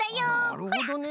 なるほどね。